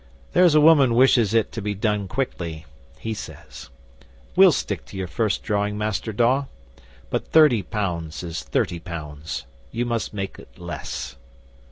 '"There's a woman wishes it to be done quickly," he says. "We'll stick to your first drawing, Master Dawe. But thirty pounds is thirty pounds. You must make it less."